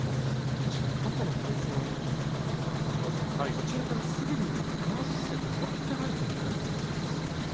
確かに過去の対戦を見ると立ち合いからすぐには組ませてもらっていない展開になるんですね。